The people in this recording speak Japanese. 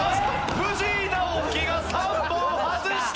藤井直樹が３本外した！